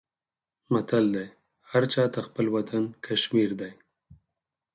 متل دی: هر چاته خپل وطن کشمیر دی.